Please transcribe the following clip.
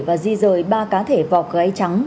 và di rời ba cá thể vọc gáy trắng